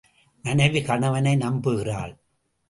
மனைவி கணவனை நம்புகிறாள்.